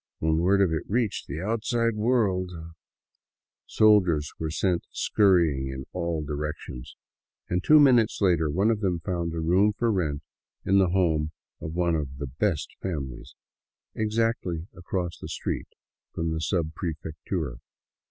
When word of it reached the outside world ...! Soldiers were sent scurrying in all directions — and two minutes later one of them found a room for rent in the home of one of the " best families," exactly across the street from the subprefectura.